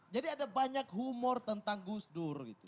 jadi ada banyak humor tentang gus dur gitu